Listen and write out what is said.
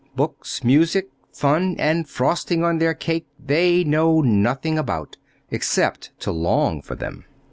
Books, music, fun, and frosting on their cake they know nothing about except to long for them."